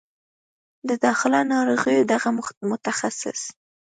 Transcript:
د داخله ناروغیو دغه متخصص